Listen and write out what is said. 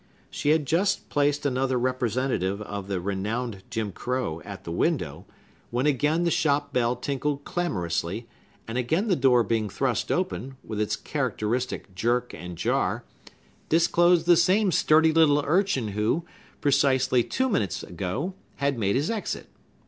She had just placed another representative of the renowned Jim Crow at the window, when again the shop bell tinkled clamorously, and again the door being thrust open, with its characteristic jerk and jar, disclosed the same sturdy little urchin who, precisely two minutes ago, had made his exit.